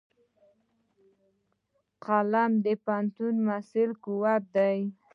قلم د پوهنتوني محصل قوت دی